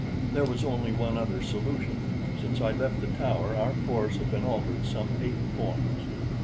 There was only one other solution since I left the tower, our course had been altered some eight points.